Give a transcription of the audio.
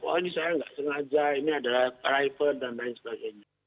oh ini saya nggak sengaja ini adalah private dan lain sebagainya